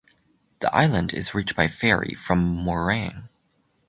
The island is reached by ferry from Marang.